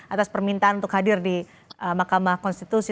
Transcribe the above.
atas permintaan untuk hadir di mahkamah konstitusi